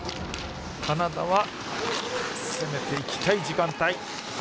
カナダは攻めていきたい時間帯。